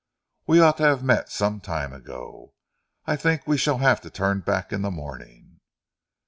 We ought to have met some time ago. I think we shall have to turn back in the morning."